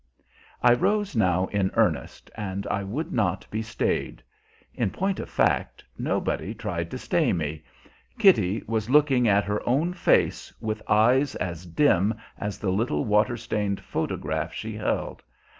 I rose now in earnest, and I would not be stayed. In point of fact, nobody tried to stay me. Kitty was looking at her own face with eyes as dim as the little water stained photograph she held.